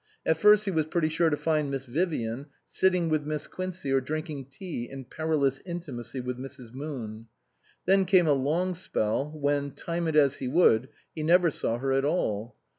At first he was pretty sure to find Miss Vivian s sitting with Miss Quincey or drink ing tea in perilous intimacy with Mrs. Moon. Then came a long spell when, time it as he would, he never saw her at all.